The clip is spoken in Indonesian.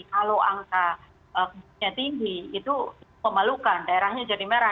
kalau angka kasusnya tinggi itu memalukan daerahnya jadi merah